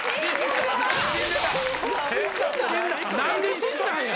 何で死んだんや。